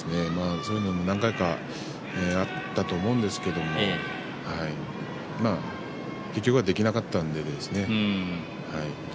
そういうのも何回かあったと思うんですけれども結局はできなかったので。